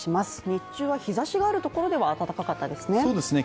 日中は日ざしがあるところでは暖かかったですね。